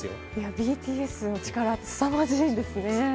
ＢＴＳの力すさまじいんですね。